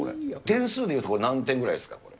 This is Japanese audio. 点数で言うと何点ぐらいですか、これ。